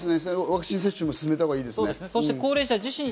ワクチン接種も進めたほうがいいですね。